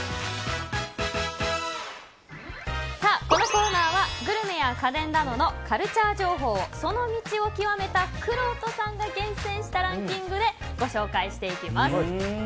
このコーナーはグルメや家電などのカルチャー情報をその道を究めたくろうとさんが厳選したランキングでご紹介していきます。